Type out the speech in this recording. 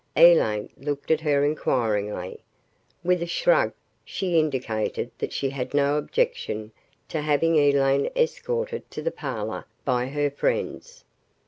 Elaine looked at her inquiringly. With a shrug, she indicated that she had no objection to having Elaine escorted to the parlor by her friends.